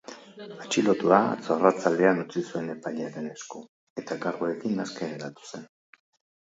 Atxilotua atzo arratsaldean utzi zuten epailearen esku, eta karguekin aske geratu zen.